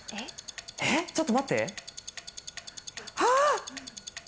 えっ、ちょっと待って？